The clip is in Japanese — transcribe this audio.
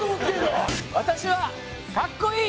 私はかっこいい！